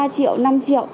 hai ba triệu năm triệu